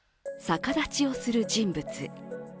逆立ちをする人物。